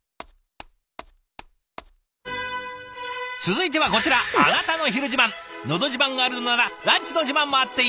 続いてはこちら「のど自慢」があるのならランチの自慢もあっていい！